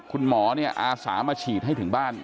คุณหมอเนี่ยอาสามาฉีดให้ถึงบ้าน